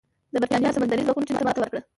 د برېټانیا سمندري ځواکونو چین ته ماتې ورکړه.